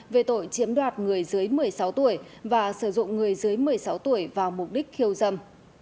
về tội chiếm đoạt người dưới một mươi sáu tuổi và sử dụng người dưới một mươi sáu tuổi vào mục đích khiêu dâm